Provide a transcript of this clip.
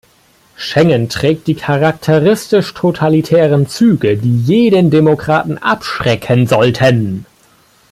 Schengen trägt die charakteristisch totalitären Züge, die jeden Demokraten abschrecken sollten.